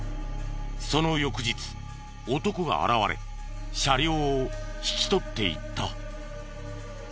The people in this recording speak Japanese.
その翌日男が現れ車両を引き取っていった。